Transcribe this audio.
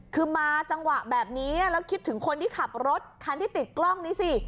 คือมาจังหวะแบบนี้แล้วคิดถึงคนที่ขับรถคันที่ติดกล้องนี้สิ